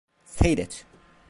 Seyret.